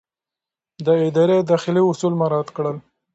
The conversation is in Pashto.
ده د ادارې داخلي اصول مراعات کړل.